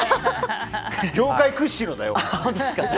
業界屈指のだよ！